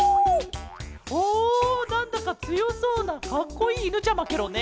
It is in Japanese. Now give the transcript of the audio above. おなんだかつよそうなかっこいいいぬちゃまケロね。